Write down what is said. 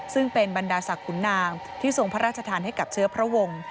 ซึ่งเป็นบรรดาศักดิ์ขุนนางที่ทรงพระราชทานให้กับเชื้อพระวงศ์